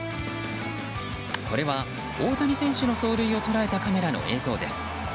これは、大谷選手の走塁を捉えたカメラの映像です。